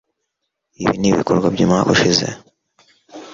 ibi ni ibikorwa by'umwaka ushize